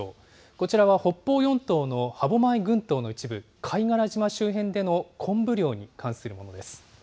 こちらは北方四島の歯舞群島の一部、貝殻島周辺でのコンブ漁に関するものです。